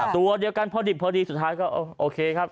ตัวเดียวกันพอดิบพอดีสุดท้ายก็โอเคครับ